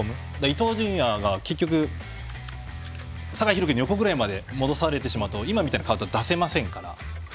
伊東純也が結局酒井宏樹の横ぐらいまで戻されると今みたいなカウンターは出せませんから。